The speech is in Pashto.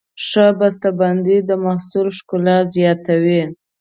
ښه بسته بندي د محصول ښکلا زیاتوي.